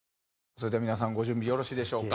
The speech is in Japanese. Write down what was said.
それでは皆さんご準備よろしいでしょうか？